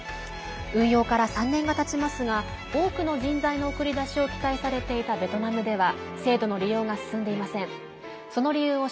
運用から３年がたちますが多くの人材の送り出しを期待されていたベトナムでは制度の利用が進んでいません。